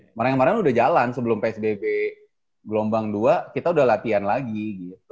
kemarin kemarin udah jalan sebelum psbb gelombang dua kita udah latihan lagi gitu